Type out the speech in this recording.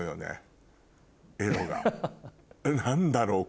何だろう？